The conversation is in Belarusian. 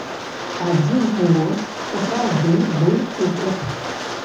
Адзін голас, сапраўды, быў супраць.